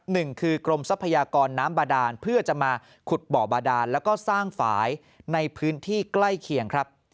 หนึ่งคือกรมทรัพยากรน้ำบาดานเพื่อจะมาขุดบ่อบาดานแล้วก็สร้างฝ่ายในพื้นที่ใกล้เคียงครับ